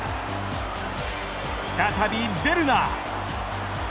再びヴェルナー。